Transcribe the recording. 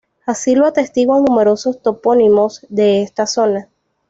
Así lo atestiguan numerosos topónimos de esta zona.